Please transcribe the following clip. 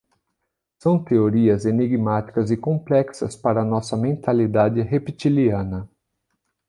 São teorias enigmáticas e complexas para nossa mentalidade reptiliana